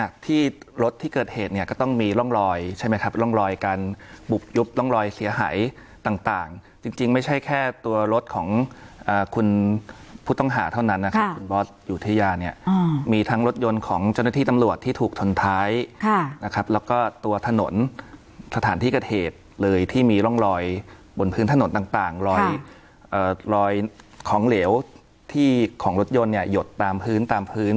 ที่รถที่เกิดเหตุเนี่ยก็ต้องมีร่องรอยใช่ไหมครับร่องรอยการบุกยุบร่องรอยเสียหายต่างจริงไม่ใช่แค่ตัวรถของคุณผู้ต้องหาเท่านั้นนะครับคุณบอสยุธยาเนี่ยมีทั้งรถยนต์ของเจ้าหน้าที่ตำรวจที่ถูกชนท้ายนะครับแล้วก็ตัวถนนสถานที่เกิดเหตุเลยที่มีร่องรอยบนพื้นถนนต่างรอยของเหลวที่ของรถยนต์เนี่ยหยดตามพื้นตามพื้น